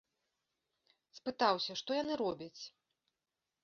Спытаўся, што яны робяць.